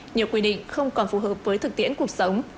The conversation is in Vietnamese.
nhiều quy định không còn phù hợp với thực tiễn cuộc sống